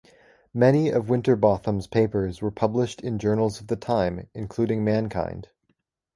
Many of Winterbotham’s papers were published in journals of the time including "Mankind".